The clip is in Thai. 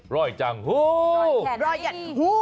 รอยจังฮู้